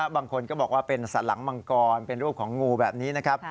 บางคนก็บอกว่าเป็นสันหลังมังกรเป็นรูปของงูแบบนี้นะครับ